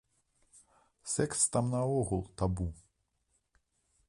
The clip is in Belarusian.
Сэкс там наогул табу.